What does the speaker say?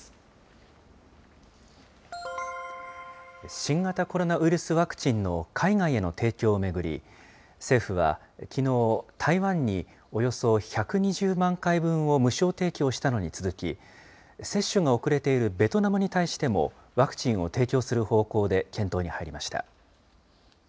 新型コロナウイルスワクチンの海外への提供を巡り、政府はきのう、台湾におよそ１２０万回分を無償提供したのに続き、接種が遅れているベトナムに対しても、ワクチンを提供する方向で検討に入りました。